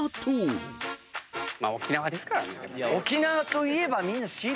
沖縄ですからね。